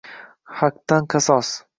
«Haqdan qasos!»